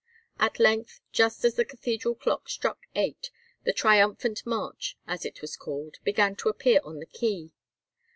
At length, just as the cathedral clock struck eight, the "triumphant" march, as it was called, began to appear upon the quay.